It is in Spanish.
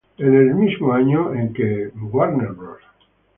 En el mismo año en que Warner Bros.